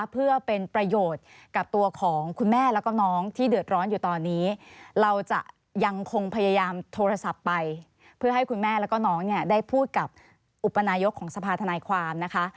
เพื่อเป็นประโยชน์กับตัวของคุณแม่แล้วก็น้องที่เดือดร้อนอยู่ตอนนี้เราจะยังคงพยายามโทรศัพท์ไปเพื่อให้คุณแม่แล้วก็น้องเนี่ยได้พูดกับอุปนายกของสภาธนายความนะคะ